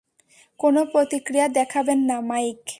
কোনো প্রতিক্রিয়া দেখাবেন না, মাইক।